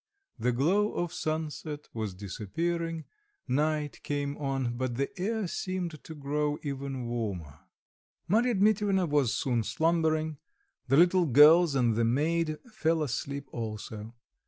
The glow of sunset was disappearing; night came on, but the air seemed to grow even warmer. Marya Dmitrievna was soon slumbering, the little girls and the maid fell asleep also.